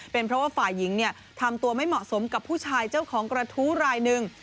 เป็นเพราะว่าฝ่ายหญิงทำตัวไม่เหมาะสมกับผู้ชายเจ้าของกระทู้รายหนึ่ง